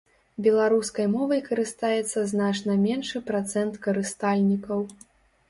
Беларускай мовай карыстаецца значна меншы працэнт карыстальнікаў.